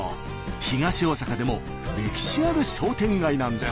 東大阪でも歴史ある商店街なんです。